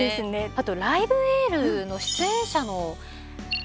あと「ライブ・エール」の出演者の方々